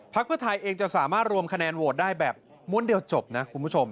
เพื่อไทยเองจะสามารถรวมคะแนนโหวตได้แบบม้วนเดียวจบนะคุณผู้ชม